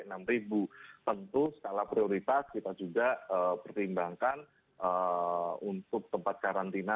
jadi tentu skala prioritas kita juga pertimbangkan untuk tempat karantina